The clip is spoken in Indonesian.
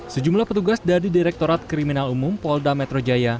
sejumlah petugas dari direktorat kriminal umum polda metro jaya